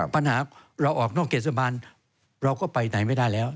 ปัญหาเราออกนอกเขตสะพานเราก็ไปไหนไม่ได้แล้ว